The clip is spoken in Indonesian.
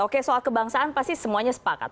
oke soal kebangsaan pasti semuanya sepakat